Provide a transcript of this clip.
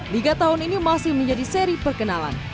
liga tahun ini masih menjadi seri perkenalan